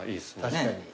確かに。